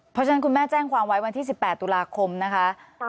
เพราะฉะนั้นคุณแม่แจ้งความไว้วันที่๑๘ตุลาคมนะคะ